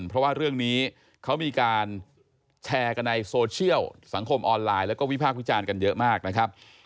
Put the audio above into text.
เพราะว่าเรื่องนี้เขามีการแชร์กันในโซเชียลสังคมออนไลน์แล้วก็วิพากษ์วิจารณ์กันเยอะมากนะครับ